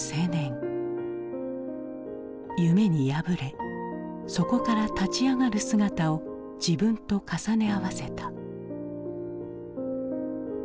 夢に破れそこから立ち上がる姿を自分と重ね合わせた。